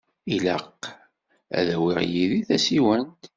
Tilaq ad awiɣ yid-i tasiwant.